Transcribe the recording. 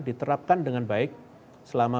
diterapkan dengan baik selama